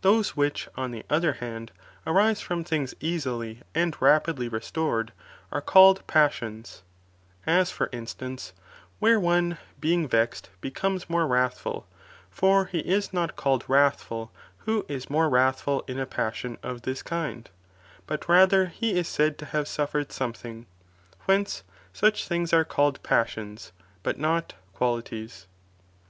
Those which, OQ the other hand, arise from things easily and rapidly restored, are called passions, as for instance, where one being vexed becomes more wrathful, for he is not called wrathful who is more wrathful in a passion of this kind, but rather he is said to have suffered something, whence such things are called passions, but not qualities.'